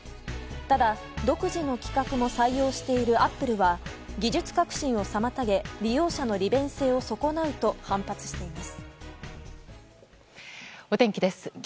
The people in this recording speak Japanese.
ただ、独自の規格も採用しているアップルは技術革新を妨げ利用者の利便性を損なうと反発しています。